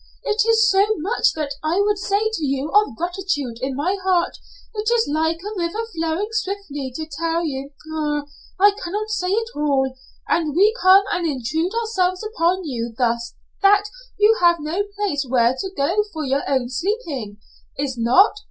It is so much that I would say to you of gratitude in my heart it is like a river flowing swiftly to tell you Ah! I cannot say it all and we come and intrude ourselves upon you thus that you have no place where to go for your own sleeping Is not?